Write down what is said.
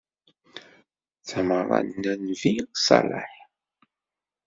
D tameɣra n Nnbi ṣṣaleḥ.